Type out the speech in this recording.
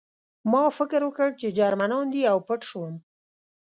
ما فکر وکړ چې جرمنان دي او پټ شوم